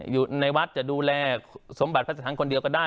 อยู่ในวัดจะดูแลสมบัติพระสถานคนเดียวก็ได้